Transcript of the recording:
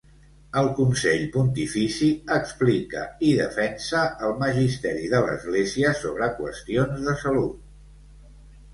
El Consell Pontifici explica i defensa el Magisteri de l'Església sobre qüestions de salut.